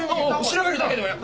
調べるだけでもよ。